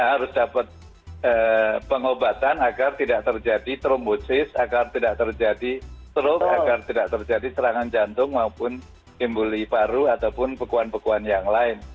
kita harus dapat pengobatan agar tidak terjadi trombosis agar tidak terjadi stroke agar tidak terjadi serangan jantung maupun timbuli paru ataupun bekuan bekuan yang lain